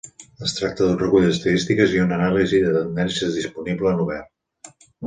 Es tracta d’un recull d’estadístiques i una anàlisi de tendències disponible en obert.